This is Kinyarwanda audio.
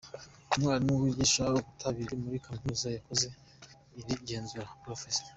Umwarimu wigisha Ubutabire muri Kaminuza yakoze iri genzura, Prof.